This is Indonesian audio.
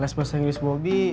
les bahasa inggris bobby